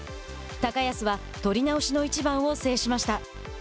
高安は取り直しの一番を制しました。